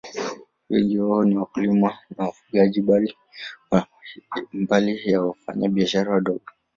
Wengi wao ni wakulima na wafugaji, mbali ya wafanyabiashara wadogo.